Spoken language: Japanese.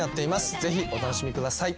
ぜひお楽しみください。